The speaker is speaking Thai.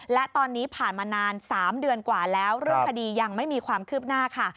และตอนนี้ผ่านมานาน๓เดือนกว่าแล้วเรื่องคดียังไม่มีความคืบหน้าค่ะ